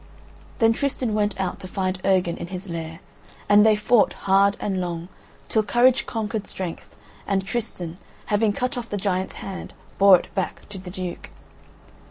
Then Tristan went out to find Urgan in his lair, and they fought hard and long, till courage conquered strength, and Tristan, having cut off the giant's hand, bore it back to the Duke.